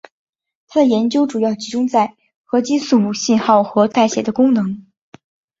他的研究主要集中在核激素信号和代谢的功能。